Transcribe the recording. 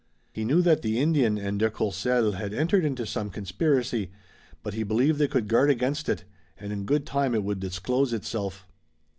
He knew that the Indian and de Courcelles had entered into some conspiracy, but he believed they could guard against it, and in good time it would disclose itself.